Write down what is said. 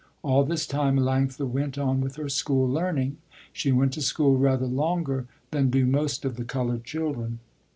All this time Melanctha went on with her school learning; she went to school rather longer than do most of the colored children.